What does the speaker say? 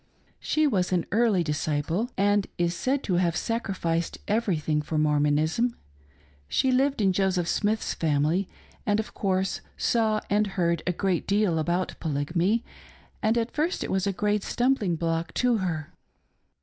She was an early disciple and is said to have sacrificed everything for Mormonism. She Jjved in Joseph Smith's family, and, of course, saw and heard a great deal about Polygamy, and at first it was a great stumbling block to her.